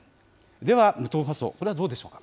では、無党派層、こちらはどうでしょうか。